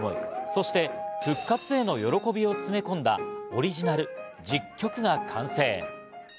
そして復活への喜びを詰め込んだ、オリジナル１０曲が完成。